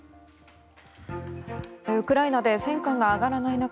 ウクライナで戦果が上がらない中